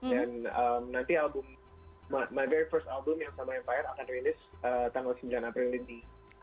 dan nanti album my very first album yang sama empire akan release tanggal sembilan april ini